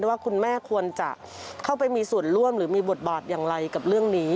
ว่าคุณแม่ควรจะเข้าไปมีส่วนร่วมหรือมีบทบาทอย่างไรกับเรื่องนี้